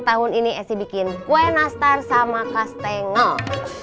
tahun ini esi bikin kue nastar sama kastengel